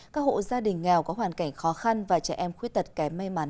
các hộ gia đình nghèo có hoàn cảnh khó khăn và trẻ em khuyết tật kém may mắn